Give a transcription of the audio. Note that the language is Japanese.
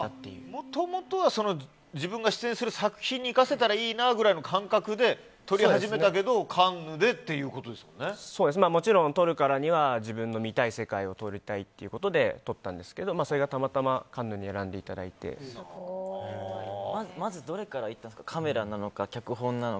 もともとは自分が出演する作品に生かせたらいいなぐらいの感覚で撮り始めたけどもちろん、撮るからには自分の見たい世界を撮りたいということで撮ったんですけどそれがたまたままず、どれからいったんですか。